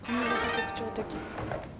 特徴的。